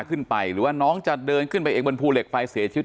หรือว่าน้องจะเดินขึ้นไปเองบนภูเหล็กไฟเสียชีวิต